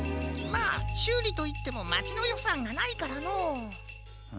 まあしゅうりといってもまちのよさんがないからのう。